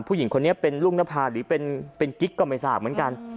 ผู้หญิงคนนี้เป็นลูกนภาหรือเป็นกิ๊กก็ไม่ทราบเหมือนกัน